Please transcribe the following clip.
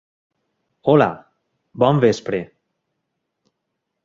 Hola, bon vespre.